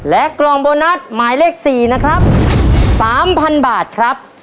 กล่องโบนัสหมายเลข๔นะครับ๓๐๐๐บาทครับ